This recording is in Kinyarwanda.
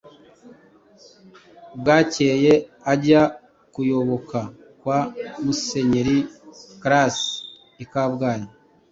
bwakeye ajya kuyoboka kwa Musenyeri Classe i Kabgayi.